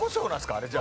あれじゃあ。